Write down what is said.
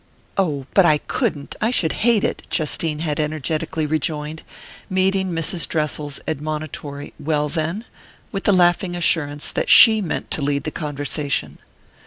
"Oh, but I couldn't I should hate it!" Justine had energetically rejoined; meeting Mrs. Dressel's admonitory "Well, then?" with the laughing assurance that she meant to lead the conversation.